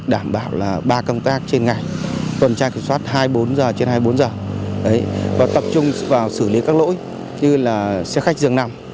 đảm bảo ba công tác trên ngày tuần tra kiểm soát hai mươi bốn h trên hai mươi bốn h tập trung vào xử lý các lỗi như xe khách dường nằm